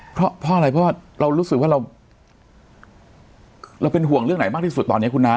เพราะอะไรเพราะว่าเรารู้สึกว่าเราเป็นห่วงเรื่องไหนมากที่สุดตอนนี้คุณน้า